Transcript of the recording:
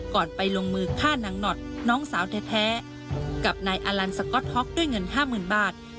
ก่อนไปลงมือฆ่านางหนอดน้องสาวแท้แท้กับนายอลันด้วยเงินห้าหมื่นบาท